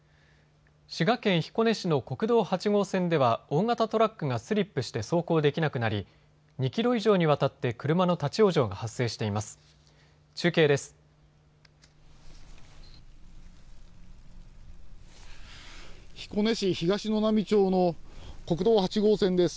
滋賀県彦根市の国道８号線では大型トラックがスリップして走行できなくなり２キロ以上にわたって車の立往生が発生しています。